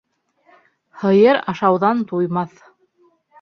Һыйыр ашауҙан туймаҫ.